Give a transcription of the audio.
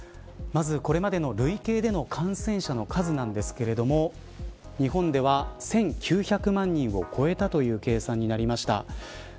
まず、これまでの累計での感染者の数ですが日本では１９００万人を超えたという計算になりました。